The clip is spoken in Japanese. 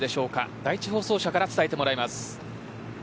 第１放送車から伝えてまいります。